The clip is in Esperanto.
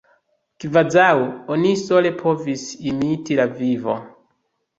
Kvazaŭ oni sole povis imiti la vivo!